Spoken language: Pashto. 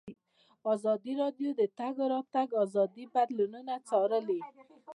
ازادي راډیو د د تګ راتګ ازادي بدلونونه څارلي.